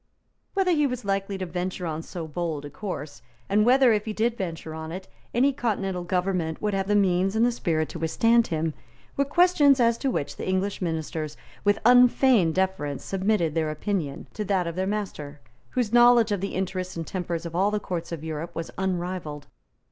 Whether he was likely to venture on so bold a course, and whether, if he did venture on it, any continental government would have the means and the spirit to withstand him, were questions as to which the English ministers, with unfeigned deference, submitted their opinion to that of their master, whose knowledge of the interests and tempers of all the courts of Europe was unrivalled.